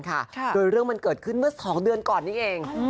โดยเรื่องมันเกิดขึ้นเมื่อ๒เดือนก่อนนี้เอง